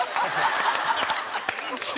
ハハハハ！